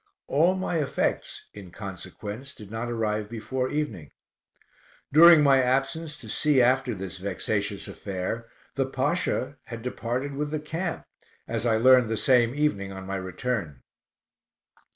All my effects, inconsequence, did not arrive before evening. During my absence to see after this vexatious affair, the Pasha had departed with the camp, as I learned the same evening on my return.